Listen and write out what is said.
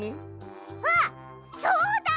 あっそうだ！